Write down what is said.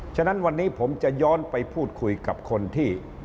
ฉะนั้นวันนี้ผมจะย้อนไปพูดคุยกับคนที่